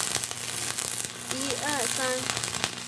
共晶系统或共熔系统。